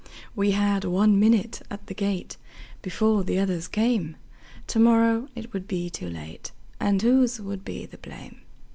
We had one minute at the gate, Before the others came; To morrow it would be too late, And whose would be the blame!